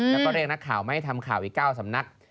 แล้วก็เรียกนักข่าวมาให้ทำข่าวอีก๙สำนัก